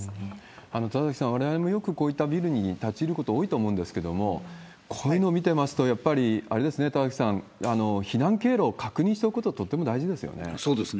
田崎さん、われわれもよくこういったビルに立ち入ること多いと思うんですけど、こういうの見てますと、やっぱりあれですね、田崎さん、避難経路を確認しておくこと、とても大事ですよね。